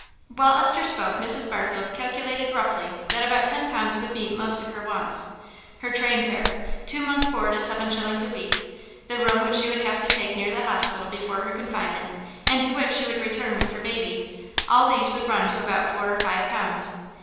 While Esther spoke Mrs. Barfield calculated roughly that about ten pounds would meet most of her wants. Her train fare, two month's board at seven shillings a week, the room she would have to take near the hospital before her confinement, and to which she would return with her baby all these would run to about four or five pounds.